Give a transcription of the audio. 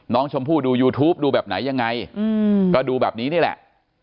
น้องชมพู่ดูยูทูปดูแบบไหนยังไงก็ดูแบบนี้นี่แหละ